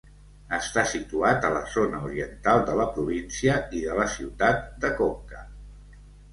Està situat a la zona oriental de la província i de la ciutat de Conca.